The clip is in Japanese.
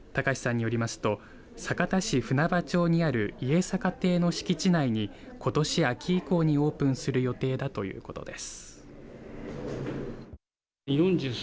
多可志さんによりますと酒田市船場町にある家坂亭の敷地内にことし秋以降にオープンする予定だということです。